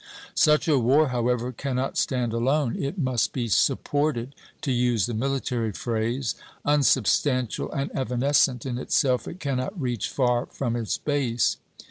Such a war, however, cannot stand alone; it must be supported, to use the military phrase; unsubstantial and evanescent in itself, it cannot reach far from its base.